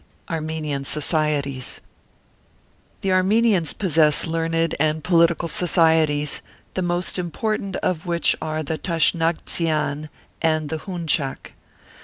ARMENIAN SOCIETIES. The Armenians possess learned and political Societies, the most important of which are the " Tashnagtzian " and the " Hun chak."